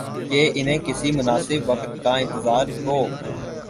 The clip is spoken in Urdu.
کہ انہیں کسی مناسب وقت کا انتظار ہو۔